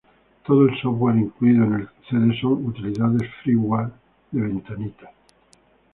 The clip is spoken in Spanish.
Todo el software incluido en el cd son utilidades freeware para Windows.